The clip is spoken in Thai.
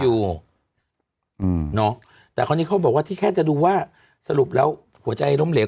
อยู่อืมเนาะแต่คราวนี้เขาบอกว่าที่แค่จะดูว่าสรุปแล้วหัวใจล้มเหลว